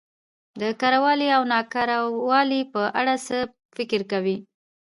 د کره والي او نا کره والي په اړه څه فکر کوؽ